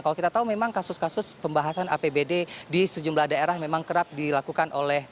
kalau kita tahu memang kasus kasus pembahasan apbd di sejumlah daerah memang kerap dilakukan oleh